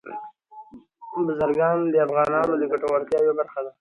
بزګان د افغانانو د ګټورتیا یوه برخه ده.